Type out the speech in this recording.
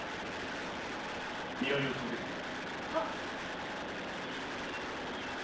見張りを続けてくれ。